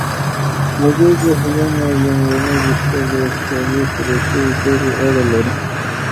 د دې جهیلونو لومړني بستر د یخچالي پروسې پورې اړه لري.